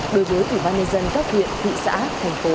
đối với ủy ban nhân dân các huyện thị xã thành phố